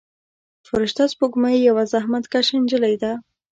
فرشته سپوږمۍ یوه زحمت کشه نجلۍ ده.